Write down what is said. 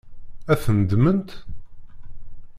Ad tent-ddment?